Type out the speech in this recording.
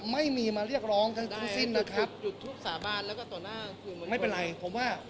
ไม่มีมาเรียกร้องทั้งทุกสิ้นนะครับได้ครับหยุดทุกสาบานแล้วก็ต่อหน้าคือไม่เป็นไรผมว่า